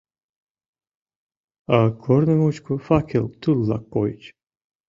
А корно мучко факел тул-влак койыч.